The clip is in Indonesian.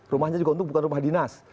rumahnya juga untuk bukan rumah dinas